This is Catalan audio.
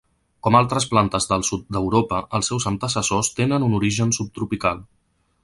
Com altres plantes del sud d'Europa els seus antecessors tenen un origen subtropical.